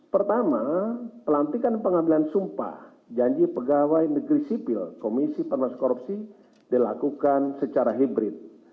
pertama pelantikan pengambilan sumpah janji pegawai negeri sipil komisi pemerintah korupsi dilakukan secara hibrid